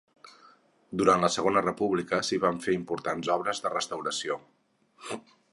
Durant la segona república s'hi van fer importants obres de restauració.